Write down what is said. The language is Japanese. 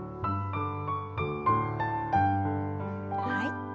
はい。